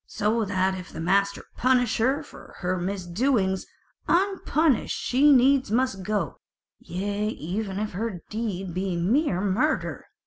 So that if the master punish her not for her misdoings, unpunished she needs must go; yea even if her deed be mere murder."